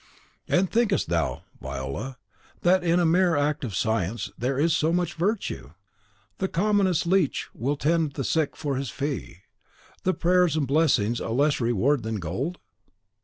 "And thinkest thou, Viola, that in a mere act of science there is so much virtue? The commonest leech will tend the sick for his fee. Are prayers and blessings a less reward than gold?"